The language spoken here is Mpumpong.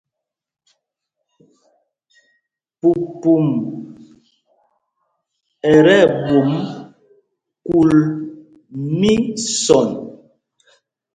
Pupum ɛ tí ɛɓwôm kúl mísɔn.